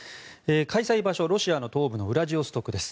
開催場所はロシアの東部ウラジオストクです。